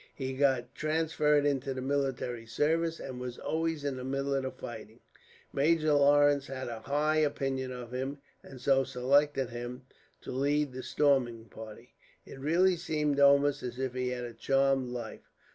He got transferred into the military service, and was always in the middle of the fighting. Major Lawrence had a very high opinion of him, and so selected him to lead the storming party. It really seems almost as if he had a charmed life.